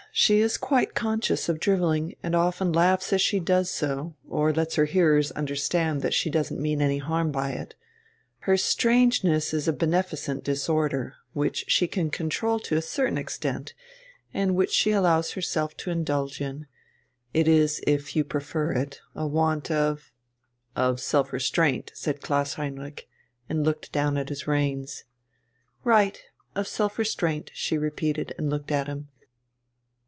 She is quite conscious of drivelling, and often laughs as she does so, or lets her hearers understand that she doesn't mean any harm by it. Her strangeness is a beneficent disorder, which she can control to a certain extent, and which she allows herself to indulge in. It is, if you prefer it, a want of " "Of self restraint," said Klaus Heinrich, and looked down at his reins. "Right, of self restraint," she repeated, and looked at him.